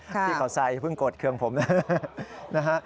พี่เขาใส่เพิ่งกดเครื่องผมนะฮะ